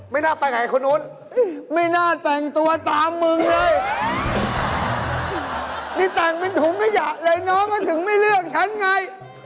ไม่น่าไปไหนคนนู้นไม่น่าแต่งตัวตามมึงเลยนี่แต่งเป็นถุงขยะเลยน้องก็ถึงไม่เลือกฉันไง